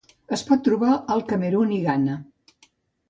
Es pot trobar al Camerun i Ghana.